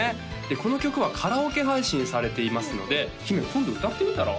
この曲はカラオケ配信されていますので姫今度歌ってみたら？